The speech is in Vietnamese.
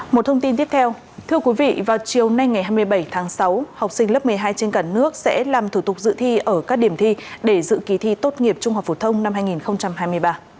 một thông tin tiếp theo thưa quý vị vào chiều nay ngày hai mươi bảy tháng sáu học sinh lớp một mươi hai trên cả nước sẽ làm thủ tục dự thi ở các điểm thi để dự kỳ thi tốt nghiệp trung học phổ thông năm hai nghìn hai mươi ba